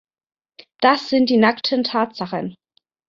Das sind die nackten Tatsachen.